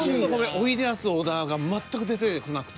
おいでやす小田が全く出てこなくて。